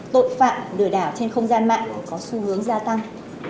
tội phạm lừa đảo trên không gian mạng có xu hướng gia tăng